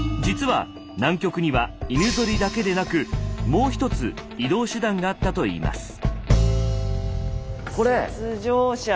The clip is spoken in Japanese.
実は南極には犬ゾリだけでなくもうひとつ移動手段があったといいます。